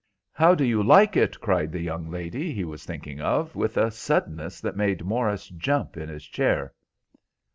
"How do you like it?" cried the young lady he was thinking of, with a suddenness that made Morris jump in his chair.